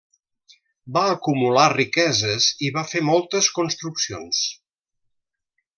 Va acumular riqueses i va fer moltes construccions.